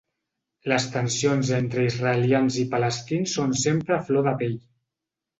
Les tensions entre israelians i palestins són sempre a flor de pell.